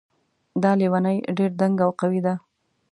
دا لیونۍ ډېر دنګ او قوي ده